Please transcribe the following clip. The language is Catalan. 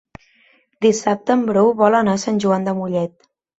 Dissabte en Bru vol anar a Sant Joan de Mollet.